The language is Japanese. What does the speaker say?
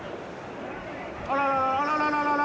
あらららあららららら。